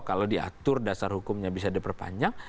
kalau diatur dasar hukumnya bisa diperpanjang